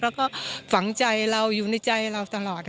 แล้วก็ฝังใจเราอยู่ในใจเราตลอด